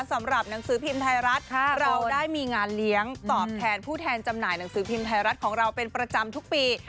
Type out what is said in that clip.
สำหรับหนังสือพิมพ์ไทยรัฐเราได้มีงานเลี้ยงตอบแทนผู้แทนจำหน่ายหนังสือพิมพ์ไทยรัฐของเราเป็นประจำทุกปี